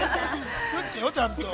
◆作ってよ、ちゃんと。